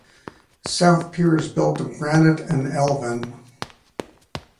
South Pier is built of granite and elvan.